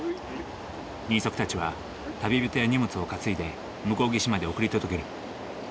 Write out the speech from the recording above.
人足たちは旅人や荷物を担いで向こう岸まで送り届ける。